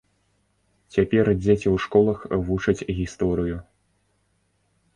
Цяпер дзеці ў школах вучаць гісторыю.